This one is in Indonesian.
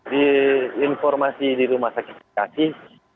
diinformasi di rumah sakit dikasih